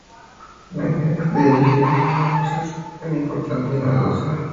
La idea de elegir a los Burgueses fue importante y novedosa.